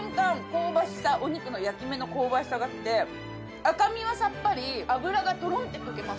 香ばしさお肉の焼き目の香ばしさが来て赤身はさっぱり脂がトロンってとけます。